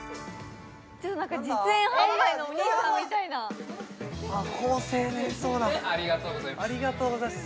何か実演販売のお兄さんみたいなありがとうございます